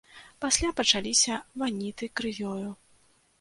Пасля пачаліся ваніты крывёю.